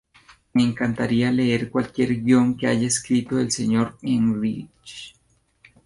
Me encantaría leer cualquier guión que haya escrito el señor Ehrlich".